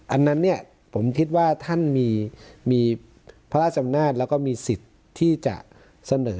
อันนั้นเนี่ยผมคิดว่าท่านมีพระราชอำนาจแล้วก็มีสิทธิ์ที่จะเสนอ